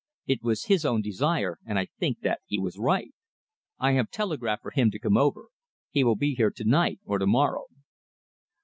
It was his own desire, and I think that he was right. I have telegraphed for him to come over. He will be here to night or to morrow."